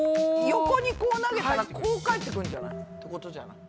横にこう投げたらこう帰ってくるんじゃない？ってことじゃない？